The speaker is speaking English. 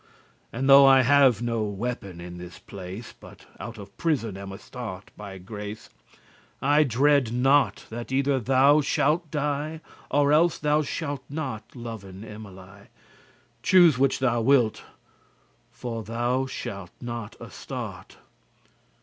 And though I have no weapon in this place, But out of prison am astart* by grace, *escaped I dreade* not that either thou shalt die, *doubt Or else thou shalt not loven Emily. Choose which thou wilt, for thou shalt not astart."